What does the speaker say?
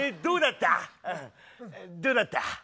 どうだった？